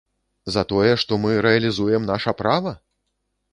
За тое, што мы рэалізуем наша права?